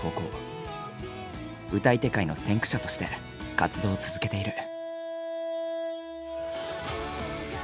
歌い手界の先駆者として活動を続けている。